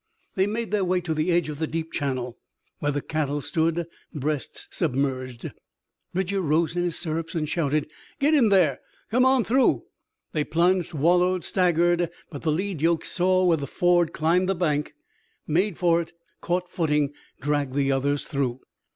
They made their way to the edge of the deep channel, where the cattle stood, breasts submerged. Bridger rose in his stirrups and shouted, "Git in thar! Come on through!" They plunged, wallowed, staggered; but the lead yokes saw where the ford climbed the bank, made for it, caught footing, dragged the others through!